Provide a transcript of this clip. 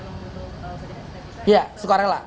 katanya keburatan kalau memang butuh kebanyakan staf kita